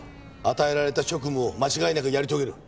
与えられた職務を間違いなくやり遂げる。